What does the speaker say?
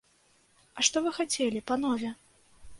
А што вы хацелі, панове?